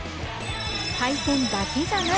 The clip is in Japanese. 海鮮だけじゃない！